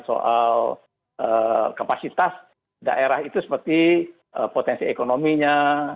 soal kapasitas daerah itu seperti potensi ekonominya